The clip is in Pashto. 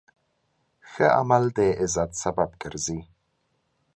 ښه عمل د عزت سبب ګرځي.